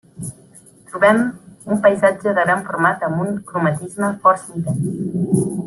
Trobem un paisatge de gran format amb un cromatisme força intens.